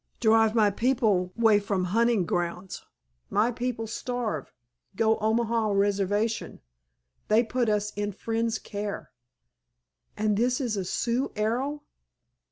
Drive my people way from hunting grounds. My people starve. Go Omaha Reservation. They put us in Friends' care." "And this is a Sioux arrow?"